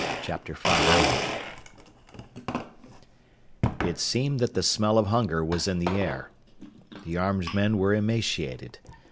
5 It seemed that the smell of hunger was in the air. The armed men were emaciated.